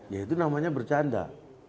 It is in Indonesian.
ya itu namanya bercanda